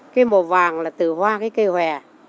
cái màu vàng là từ hoa cái cây hòe